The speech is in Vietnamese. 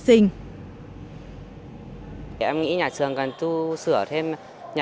trường trung học phổ thông nguyễn thị minh khai ngôi trường có tuổi đời hơn năm mươi năm